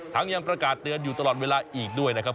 ยังประกาศเตือนอยู่ตลอดเวลาอีกด้วยนะครับ